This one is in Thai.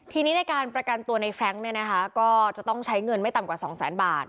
ทีนี้ในการประกันตัวในแฟรงค์เนี่ยนะคะก็จะต้องใช้เงินไม่ต่ำกว่าสองแสนบาท